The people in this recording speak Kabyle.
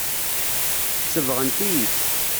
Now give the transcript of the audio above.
Sebɣent-iyi-tt.